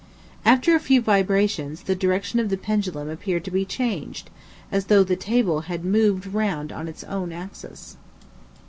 After a few vibrations, the direction of the pendulum appeared to be changed, as though the table had moved round on its owns axis.